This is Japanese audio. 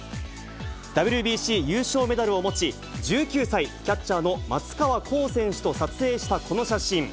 ＷＢＣ優勝メダルを持ち、１９歳、キャッチャーの松川虎生選手と撮影したこの写真。